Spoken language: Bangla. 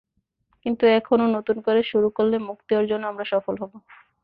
কিন্তু এখনো নতুন করে শুরু করলে মুক্তি অর্জনেও আমরা সফল হব।